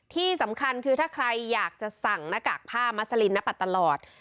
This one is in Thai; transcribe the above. ที่สำคัญคือถ้าใครอยากจะสั่งหน้ากากผ้ามัสลินนปัดตลอด